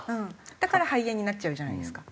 だから肺炎になっちゃうじゃないですか。